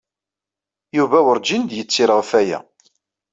Yuba werǧin d-yettir ɣef waya.